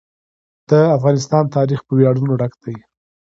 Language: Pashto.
د افغانستان تاریخ په ویاړونو ډک دی.